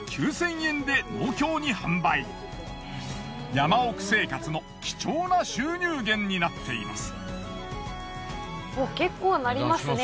山奥生活の貴重な収入源になっています。